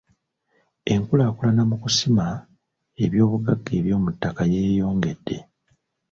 Enkulaakulana mu kusima ebyobugagga eby'omuttaka yeeyongedde.